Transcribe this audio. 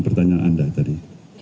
pertanyaan anda tadi